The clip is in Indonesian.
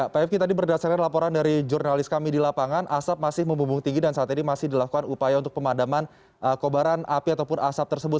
pak fki tadi berdasarkan laporan dari jurnalis kami di lapangan asap masih membumbung tinggi dan saat ini masih dilakukan upaya untuk pemadaman kobaran api ataupun asap tersebut